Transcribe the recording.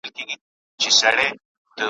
له امو تر سردریاب مې لړزولی